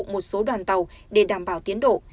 một số đoàn tàu để đảm bảo tiến độ